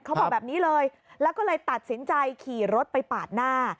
เขาบอกแบบนี้เลยแล้วก็เลยตัดสินใจขี่รถไปปาดหน้า